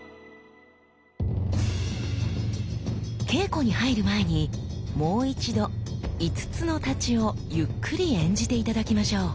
稽古に入る前にもう一度五津之太刀をゆっくり演じて頂きましょう。